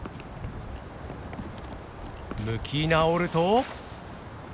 向き直ると。